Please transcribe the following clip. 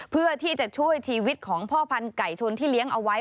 เพื่อที่จะช่วยชีวิตของพ่อพันธุไก่ชนที่เลี้ยงเอาไว้